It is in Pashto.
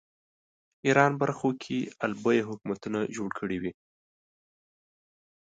ایران برخو کې آل بویه حکومتونه جوړ کړي وو